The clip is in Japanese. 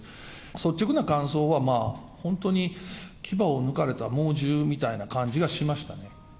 率直な感想は、まあ本当に牙を抜かれた猛獣みたいな感じがしましたね。